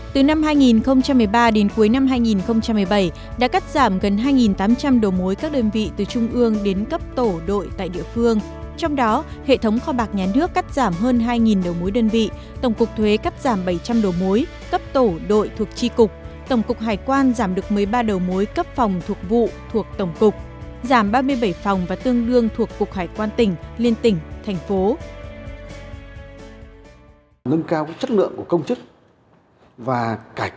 từ năm hai nghìn một mươi ba đến cuối năm hai nghìn một mươi bảy đã cắt giảm gần hai tám trăm linh đồ mối các đơn vị